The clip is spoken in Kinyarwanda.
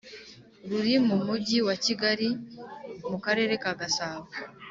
ruri mu Mujyi wa Kigali mu Karere ka Gasabo